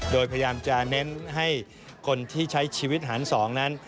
โดยพยายามจะเน้นให้คนที่ใช้ชีวิตหันสองนั้น